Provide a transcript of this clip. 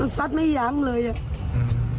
มันสัดไม่ย้างเลยอ่ะอืม